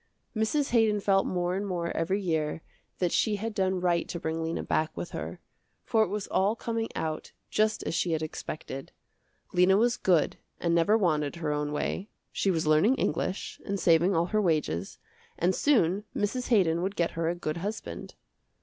Mrs. Haydon felt more and more every year that she had done right to bring Lena back with her, for it was all coming out just as she had expected. Lena was good and never wanted her own way, she was learning English, and saving all her wages, and soon Mrs. Haydon would get her a good husband.